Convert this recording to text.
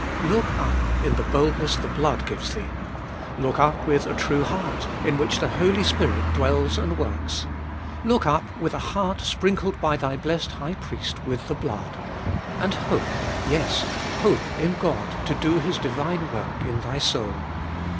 Look up in the boldness the blood gives thee. Look up with a true heart, in which the Holy Spirit dwells and works. Look up with a heart sprinkled by thy blessed High Priest with the blood — and hope, yes hope, in God to do His divine work in thy soul.